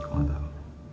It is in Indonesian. gue gak tau